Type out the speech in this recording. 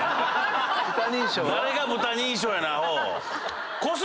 誰が豚認証やねん⁉アホ！